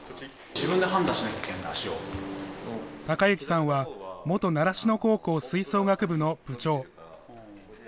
崇之さんは元習志野高校吹奏楽部の部長。